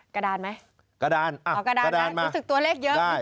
กระดานไม่อ๋อกระดานแหละจะติดตัวเลขเยอะค่อยไม่ทัน